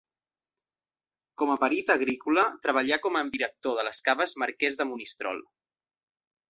Com a perit agrícola treballà com a director de les caves Marquès de Monistrol.